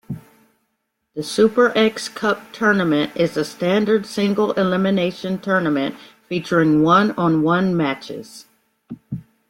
The Super X Cup tournament is a standard single-elimination tournament featuring one-on-one matches.